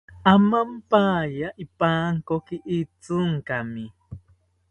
Amampaya ipankoki Itzinkami